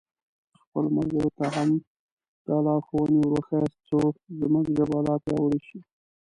خپلو ملګرو ته هم دا لارښوونې ور وښیاست څو زموږ ژبه لا پیاوړې شي.